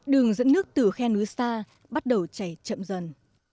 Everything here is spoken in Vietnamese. đường dẫn nước từ khe nước xa bắt đầu chảy chậm dần